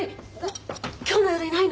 今日の夜いないの！？